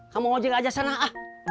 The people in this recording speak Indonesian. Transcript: kamu ngajeng aja sana